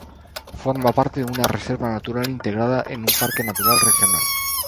Forma parte de una reserva natural integrada en un parque natural Regional.